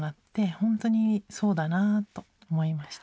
ほんとにそうだなと思いました。